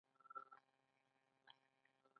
چې پخپله لارډ رابرټس په خپل کتاب کې را اخیستی.